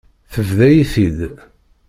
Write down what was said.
Tebḍa-yi-t-id.